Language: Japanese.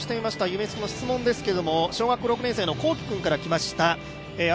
夢すくの質問ですけれども、小学校６年生のこうき君から来ました。